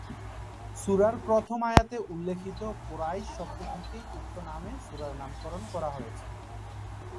সূরার প্রথম আয়াতে উল্লিখিত কুরাইশ শব্দ থেকেই উক্ত নামে সূরার নামকরণ করা হয়েছে।